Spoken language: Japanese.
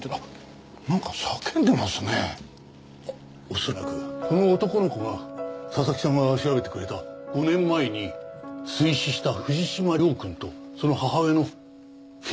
恐らくこの男の子が佐々木さんが調べてくれた５年前に水死した藤島涼君とその母親の圭子さんじゃないかな？